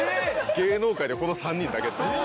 芸能界でこの３人だけです。